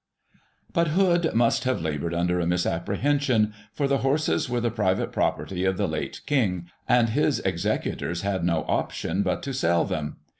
But Hood must have laboured under a misapprehension, for the horses were the private property of the late King, and his executors had no option but to sell them.